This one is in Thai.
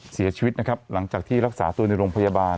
เสียชีวิตนะครับหลังจากที่รักษาตัวในโรงพยาบาล